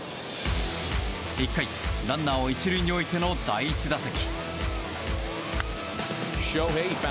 １回、ランナーを１塁に置いての第１打席。